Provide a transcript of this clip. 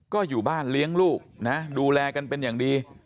ก็อยู่บ้านเลี้ยงลูกนะดูแลกันเป็นอย่างดี